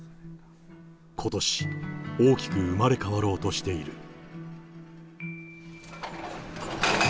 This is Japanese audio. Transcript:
ことし、大きく生まれ変わろうとしている。